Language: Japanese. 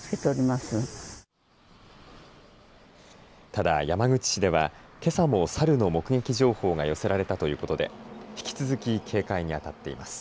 ただ山口市では、けさもサルの目撃情報が寄せられたということで引き続き警戒にあたっています。